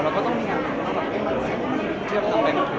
เราก็ต้องมีการพิมพ์ต่อไป